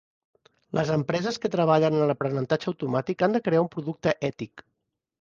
Les empreses que treballen en l'aprenentatge automàtic han de crear un producte ètic.